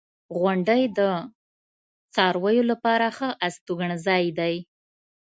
• غونډۍ د څارویو لپاره ښه استوګنځای دی.